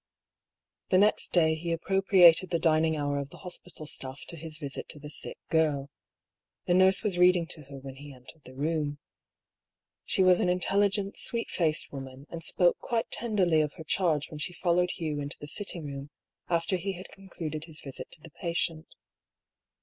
The next day he appropriated the dining hour of the hospital staff to his visit to the sick girl. The nurse was reading to her when he entered the room. She was an intelligent, sweet faced woman, and spoke quite ten derly of her charge when she followed Hugh into the sitting room, after he had concluded his visit to the patient.